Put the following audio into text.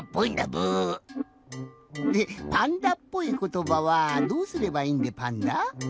でパンダっぽいことばはどうすればいいんでパンダ？